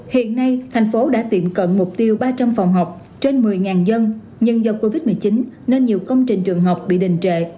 hiện nay thành phố đã tiệm cận mục tiêu ba trăm linh phòng học trên một mươi dân nhưng do covid một mươi chín nên nhiều công trình trường học bị đình trệ